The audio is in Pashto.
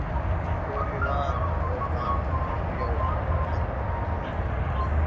يو هېواد، یو قانون او یو حکومت موجود دی.